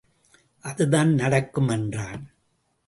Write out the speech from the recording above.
அதுதான் நடக்கும் என்றான்.